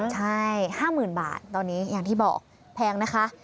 ใช่ห้าหมื่นบาทตอนนี้อย่างที่บอกแพงนะคะ